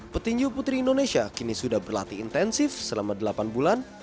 petinju putri indonesia kini sudah berlatih intensif selama delapan bulan